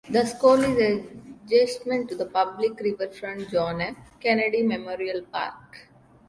The School is adjacent to the public riverfront John F. Kennedy Memorial Park.